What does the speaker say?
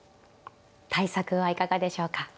対策はいかがでしょうか。